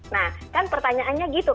nah kan pertanyaannya gitu